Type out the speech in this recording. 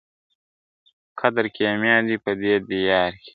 قدر کېمیا دی په دې دیار کي ..